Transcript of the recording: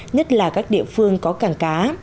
nhất là các địa phương có cảng cá